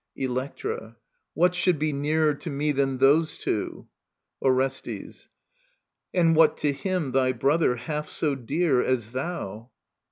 . Electra* What should be nearer to me than those two ?. Orestes. And what to him, thy brother, half so dear As thou